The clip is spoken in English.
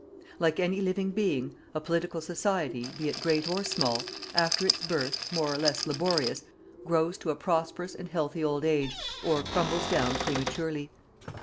Like any living being, a political society, be it great or small, after its birth, more or less laborious, grows to a prosperous and healthy old age, or crumbles down prematurely.